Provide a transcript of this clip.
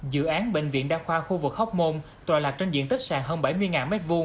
dự án bệnh viện đa khoa khu vực hóc môn tòa lạc trên diện tích sàn hơn bảy mươi m hai